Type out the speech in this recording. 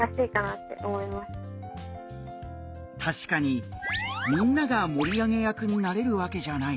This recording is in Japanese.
確かにみんなが盛り上げ役になれるわけじゃない。